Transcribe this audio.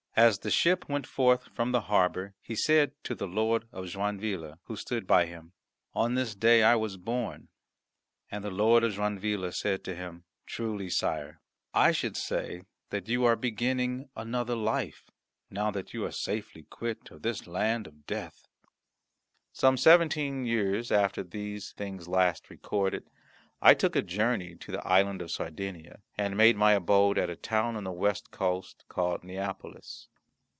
As the ship went forth from the harbour he said to the Lord of Joinville, who stood by him, "On this day I was born." And the Lord of Joinville said to him, "Truly, sire, I should say that you are beginning another life, now that you are safely quit of this land of death." Some seventeen years after the things last recorded, I took a journey to the Island of Sardinia, and made my abode at a town on the west coast, called Neapolis.